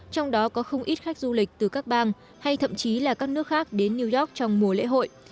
trong đó có không ít khách du lịch từ các bang hay thậm chí là các nước khác đến new york trong mùa lễ hội